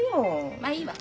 まあいいわ。